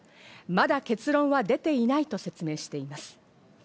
まだ結論は出ていないと説明しています。